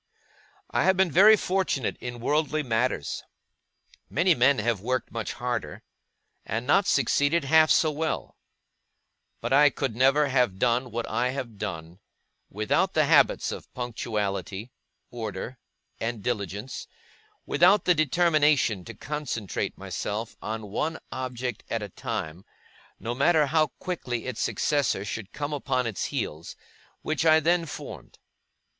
I have been very fortunate in worldly matters; many men have worked much harder, and not succeeded half so well; but I never could have done what I have done, without the habits of punctuality, order, and diligence, without the determination to concentrate myself on one object at a time, no matter how quickly its successor should come upon its heels, which I then formed.